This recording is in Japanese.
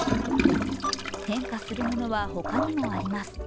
変化するものは他にもあります。